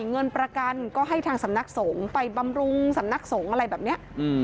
เงินประกันก็ให้ทางสำนักสงฆ์ไปบำรุงสำนักสงฆ์อะไรแบบนี้